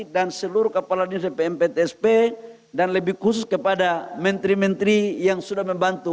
dan seluruh kepala dpp ptsp dan lebih khusus kepada menteri menteri yang sudah membantu